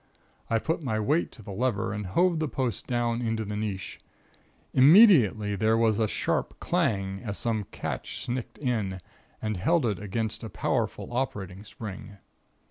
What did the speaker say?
I put my weight to the lever and hove the post down into the niche. Immediately there was a sharp clang, as some catch snicked in, and held it against the powerful operating spring.